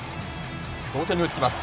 同点に追いつきます。